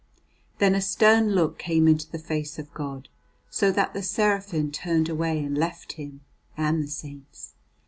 Then a stern look came into the face of God, so that the seraphim turned away and left Him, and the saints.